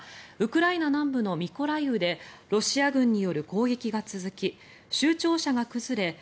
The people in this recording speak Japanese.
ウクライナ南部のミコライウでロシア軍による攻撃が続き州庁舎が崩れ